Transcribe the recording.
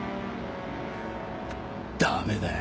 駄目だよ。